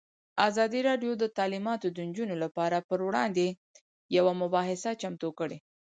ازادي راډیو د تعلیمات د نجونو لپاره پر وړاندې یوه مباحثه چمتو کړې.